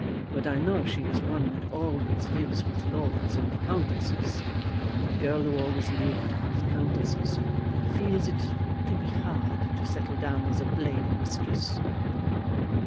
But I know she is one that always lives with lords and countesses. A girl who always lived with countesses feels it to be hard to settle down as a plain Mistress."